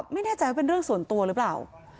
ไม่แน่ใจว่าเป็นเรื่องส่วนตัวหรือเปล่า